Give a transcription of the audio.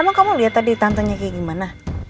emang kamu lihat tadi tantenya kayak gimana